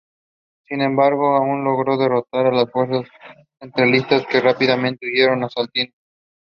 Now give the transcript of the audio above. Ritson served in the British Army during the Second World War.